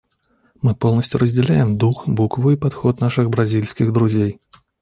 Мы полностью разделяем дух, букву и подход наших бразильских друзей.